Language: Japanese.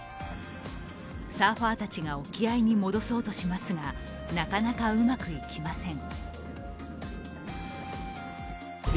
サーファーたちが沖合に戻そうとしますが、なかなかうまくいきません。